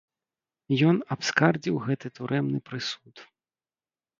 Ён абскардзіў гэты турэмны прысуд.